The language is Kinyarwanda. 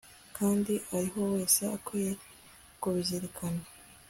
kandi uriho wese akwiye kubizirikana